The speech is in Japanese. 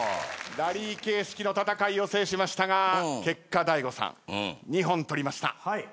ラリー形式の戦いを制しましたが結果大悟さん２本取りました。